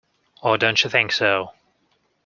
Or don't you think so?